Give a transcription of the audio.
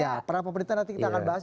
ya peran pemerintah nanti kita akan bahas